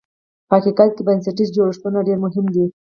په حقیقت کې بنسټیز جوړښتونه ډېر مهم دي.